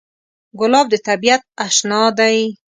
ګلاب د طبیعت اشنا دی.